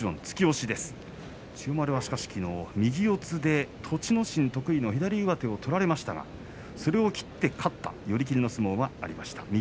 千代丸がしかしきのうは右四つで栃ノ心得意の左上手を取られましたがそれを切って勝った寄り切りの相撲がありました。